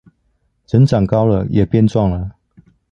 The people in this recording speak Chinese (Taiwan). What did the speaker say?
人長高了也變壯了